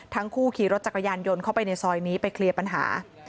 ทั้งคู่ขี่รถจักรยานยนต์เข้าไปในซอยนี้ไปเคลียร์ปัญหา